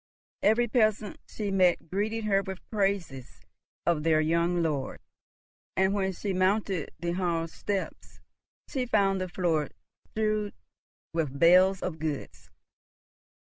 Every peasant she met greeted her with praises of their young lord, and, when she mounted the hall steps, she found the floor strewn with bales of goods.